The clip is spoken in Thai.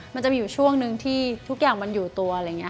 มันจะมีอยู่ช่วงหนึ่งที่ทุกอย่างมันอยู่ตัว